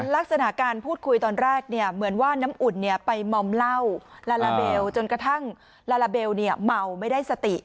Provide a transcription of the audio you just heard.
ลักษณะการพูดคุยตอนแรกเหมือนว่าน้ำอุ่นไปมอมเหล้าลาลาเบลจนกระทั่งลาลาเบลเมาไม่ได้สติ